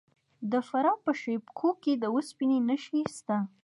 د فراه په شیب کوه کې د وسپنې نښې شته.